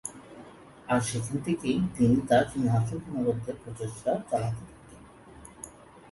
আর সেখান থেকেই তিনি তার সিংহাসন পুনরুদ্ধারের প্রচেষ্টা চালাতে থাকেন।